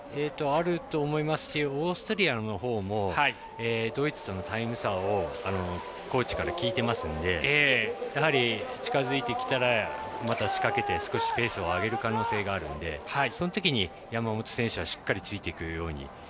あると思いますしオーストリアのほうもドイツのとのタイム差をコーチから聞いてますのでやはり、近づいてきたらまた仕掛けて少しペースを上げる可能性があるんでそのときに、山本選手はしっかりついていくように。